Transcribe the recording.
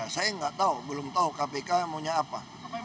saya nggak tahu belum tahu kpk maunya apa